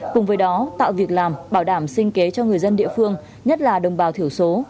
cùng với đó tạo việc làm bảo đảm sinh kế cho người dân địa phương nhất là đồng bào thiểu số